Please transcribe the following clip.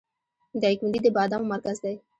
دایکنډي د بادامو مرکز دی